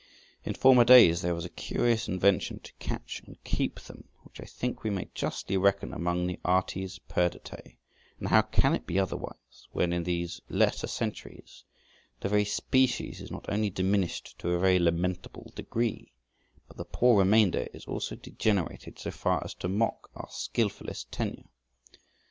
In former days there was a curious invention to catch and keep them, which I think we may justly reckon among the artes perditæ; and how can it be otherwise, when in these latter centuries the very species is not only diminished to a very lamentable degree, but the poor remainder is also degenerated so far as to mock our skilfullest tenure?